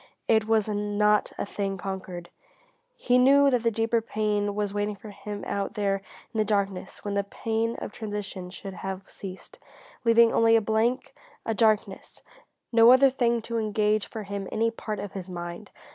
It was not a thing conquered; he knew that the deeper pain was waiting for him out there in the darkness when the pain of transition should have ceased, leaving only a blank, a darkness, no other thing to engage for him any part of his mind.